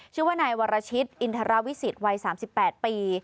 ชื่อว่านายวรชิตอินทรวิสิตวัย๓๘ปี